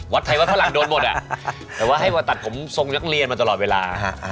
วัดไทยวัดฝรั่งโดนหมดอ่ะแต่ว่าให้มาตัดผมทรงนักเรียนมาตลอดเวลา